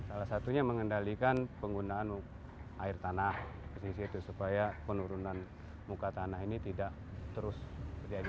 salah satunya mengendalikan penggunaan air tanah di situ supaya penurunan muka tanah ini tidak terus terjadi